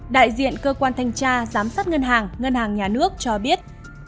đại diện cơ quan thanh tra giám sát ngân hàng ngân hàng nhà nước cho biết